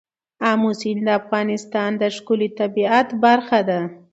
آمو سیند د افغانستان د ښکلي طبیعت برخه ده.